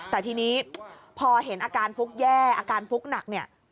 แต่ทีนี้พอเห็นอาการฟุกแย่อาการฟุกหนักเนี่ย